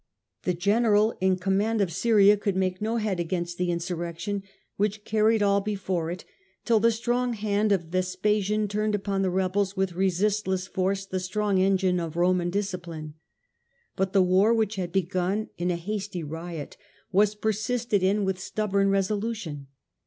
The general in command of Syria could make no head against the insurrection, which carried all before it till the strong hand of Vespasian turned upon the Vespasian rebels with resistless force the strong engine co^,^mTnd°he of Roman discipline. But the war which anny. had begun in a hasty not was persisted in with stubborn resolution.